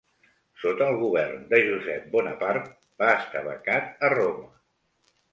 Sota el govern de Josep Bonaparte va estar becat a Roma.